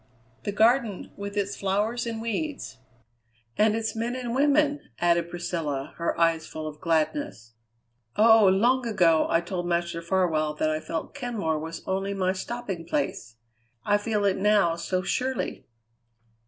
"The Garden, with its flowers and weeds." "And its men and women!" added Priscilla, her eyes full of gladness. "Oh! long ago, I told Master Farwell that I felt Kenmore was only my stopping place; I feel it now so surely."